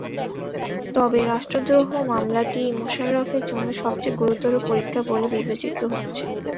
তবে রাষ্ট্রদ্রোহ মামলাটিই মোশাররফের জন্য সবচেয়ে গুরুতর পরীক্ষা বলে বিবেচিত হচ্ছে।